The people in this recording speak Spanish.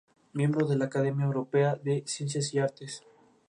Miembro de la Academia Europea de Ciencias y Artes.